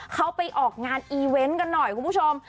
เขาไปออกงานอีเวนต์กันหน่อยคุณผู้ชม